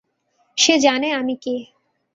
সে জানে আমি কে।